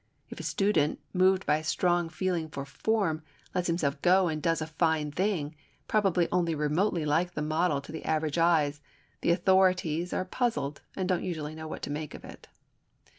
If a student, moved by a strong feeling for form, lets himself go and does a fine thing, probably only remotely like the model to the average eye, the authorities are puzzled and don't usually know what to make of it.